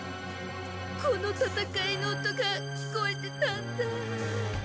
この戦いの音が聞こえてたんだ。